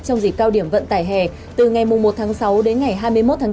trong dịp cao điểm vận tải hè từ ngày một tháng sáu đến ngày hai mươi một tháng bốn